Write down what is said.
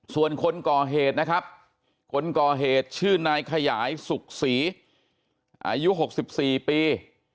ส่วนคนก่อเหตุนะครับคนก่อเหตุชื่อนายขยายสุขศรีอายุ๖๔ปี